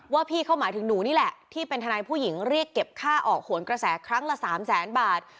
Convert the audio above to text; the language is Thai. พี่เขาหมายถึงหนูนี่แหละที่เป็นทนายผู้หญิงเรียกเก็บค่าออกโหนกระแสครั้งละ๓แสนบาท